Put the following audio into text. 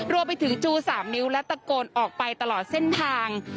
รวมไปถึงจู๓นิ้วและตะโกนออกไปตลอดเส้นทาง